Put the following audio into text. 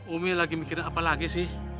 umi lagi mikirin apa lagi sih